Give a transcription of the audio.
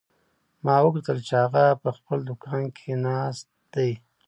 ما وکتل چې هغه په خپل دوکان کې ناست ده